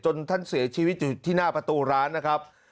ท่านเสียชีวิตอยู่ที่หน้าประตูร้านนะครับ